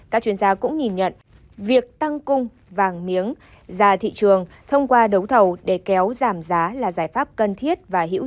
các chuyên gia cũng nhìn nhận việc tăng cung vàng miếng ra thị trường thông qua đấu thầu để kéo giảm giá là giải pháp cần thiết